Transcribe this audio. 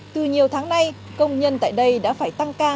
từ nhiều tháng nay công nhân tại đây đã phải tăng ca